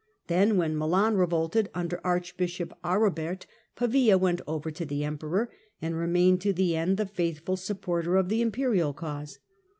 Then, when Milan revolted under Archbishop Aribert, Pavia went over to the Emperor, and remained to the end the faithful supporter of the imperial cause.